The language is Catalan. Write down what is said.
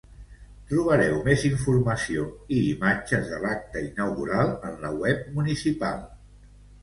Trobareu més informació i imatges de l’acte inaugural en la web municipal.